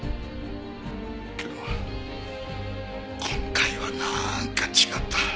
けど今回はなーんか違った。